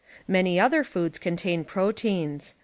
Many other foods con tain proteins.